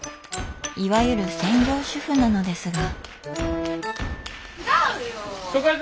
いわゆる専業主夫なのですが。